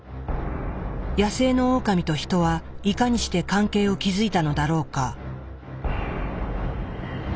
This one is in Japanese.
野生のオオカミとヒトはいかにして関係を築いたのだろうか？